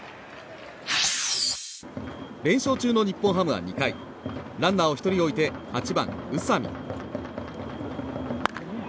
連勝中の日本ハムは２回ランナーを１人置いて８番、宇佐見。